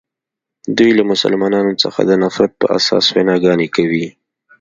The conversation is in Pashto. دوی له مسلمانانو څخه د نفرت په اساس ویناګانې کوي.